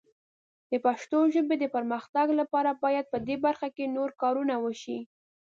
د پښتو ژبې د پرمختګ لپاره باید په دې برخه کې نور کارونه وشي.